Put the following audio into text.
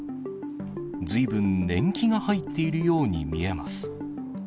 ずいぶん年季が入っているように見えます。